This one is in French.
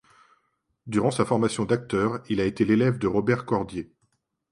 Durant sa formation d'acteur, il a été l'élève de Robert Cordier.